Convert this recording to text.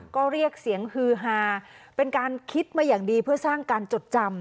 ก็เรียกเสียงฮือฮาเป็นการคิดมาอย่างดีเพื่อสร้างการจดจำ